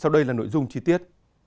đây là nội dung chi tiết